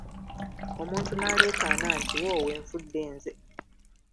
Omuntu n'aleekaana nti, “woowe nfudde nze".